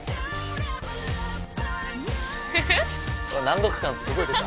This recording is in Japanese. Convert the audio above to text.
南国感すごい出た。